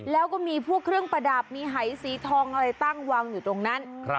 แล้วก็มีพวกเครื่องประดับมีหายสีทองอะไรตั้งวางอยู่ตรงนั้น